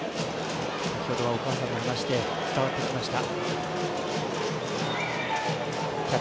先ほどはお母さんの話で伝わってきました。